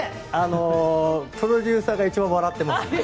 プロデューサーが一番笑ってます。